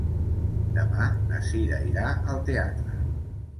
Demà na Sira irà al teatre.